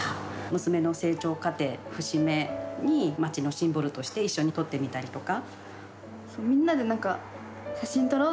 娘の成長過程、節目にまちのシンボルとして一緒に撮ってみたりとか。